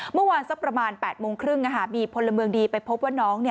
เมื่อวานสักประมาณ๘โมงครึ่งมีพลเมืองดีไปพบว่าน้อง